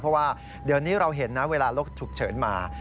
เพราะว่าเดี๋ยวนี้เราเห็นนะเวลารถฉุกเฉินมา